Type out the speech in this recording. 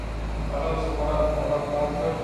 هغه د سومنات معبد مات کړ.